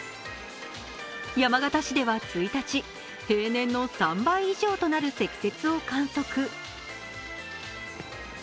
山形市では１日、平年の３倍以上となる積雪を観測。